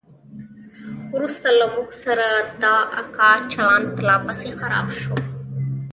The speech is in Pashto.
وروسته له موږ سره د اکا چلند لا پسې خراب سو.